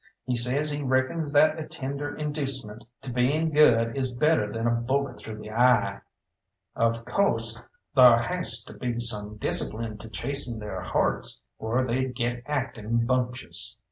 He says he reckons that a tender inducement to being good is better than a bullet through the eye. Of co'se thar has to be some discipline to chasten they'r hearts, or they'd get acting bumptious."